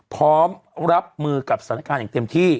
พร้อมรับมือกับสถานการณ์อย่างเต็มที่